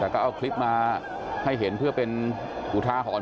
แต่ก็เอาคลิปมาให้เห็นเพื่อเป็นอุทาหรณ์